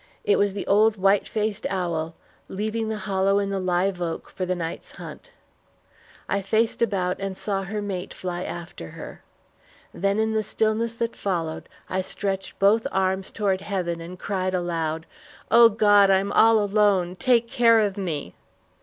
It was the old white faced owl leaving the hollow in the live oak for the night's hunt. I faced about and saw her mate fly after her. Then in the stillness that followed, I stretched both arms toward heaven and cried aloud, "O God, I'm all alone; take care of me!"